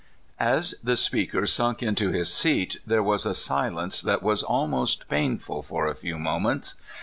" As the speaker sunk into his seat there was a silence that was almost painful for a few moments.